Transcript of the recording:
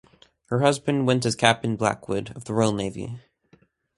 Her husband went as Captain Blackwood of the Royal Navy.